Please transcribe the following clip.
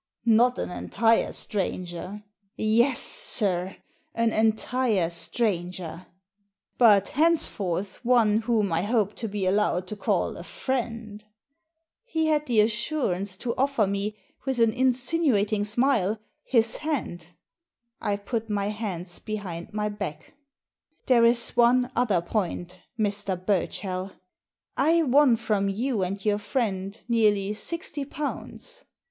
" Not an entire stranger !"" Yes, sir, an entire stranger !" "But henceforth one whom I hope to be allowed to call a friend." He had the assurance to offer me, with an in Digitized by VjOOQIC A PACK OF CARDS 91 sinuating smile, his hand. I put my hands behind my back. "There is one other point, Mr. Burchell. I won from you and your friend nearly sixty pounds.